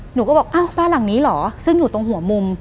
หนูก็บอกอ้าวบ้านหลังนี้เหรอซึ่งอยู่ตรงหัวมุม